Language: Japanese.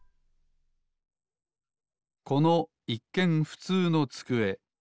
このいっけんふつうのつくえ。